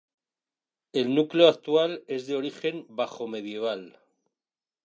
El núcleo actual es de origen bajomedieval.